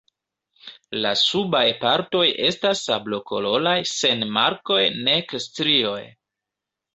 La subaj partoj estas sablokoloraj sen markoj nek strioj.